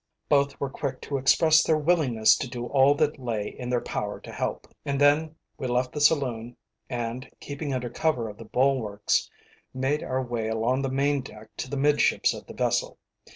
Both were quick to express their willingness to do all that lay in their power to help, and then we left the saloon and, keeping under cover of the bulwarks, made our way along the main deck to the midships of the vessel.